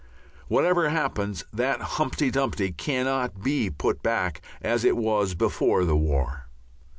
Whatever happens, that Humpty Dumpty cannot be put back as it was before the war.